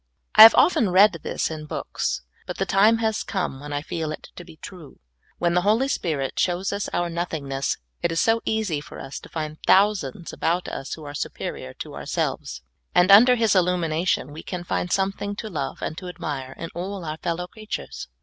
I have often read this in books, but the time has come when I feel it to be true. When the Holy Spirit shows us our nothingness, it is so easy for us to find thousands about us who are superior to ourselves, and under His illumination we can find something to love and to admire in all our fellow creatures.